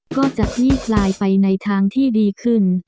ก็จะคลี่คลายไปในทางที่ดีขึ้น